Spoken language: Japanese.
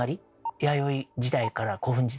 弥生時代から古墳時代。